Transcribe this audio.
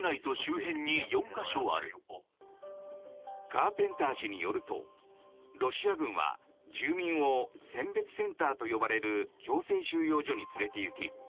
カーペンター氏によるとロシア軍は住民を選別センターと呼ばれる強制収容所に連れていき